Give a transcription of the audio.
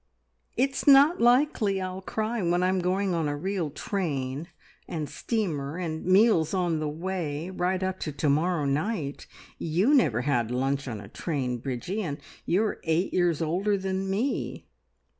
"It's not likely I'll cry, when I'm going on a real train and steamer, and meals on the way right up to to morrow night! You never had lunch on a train, Bridgie, and you are eight years older than me!"